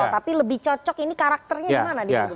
tapi lebih cocok ini karakternya gimana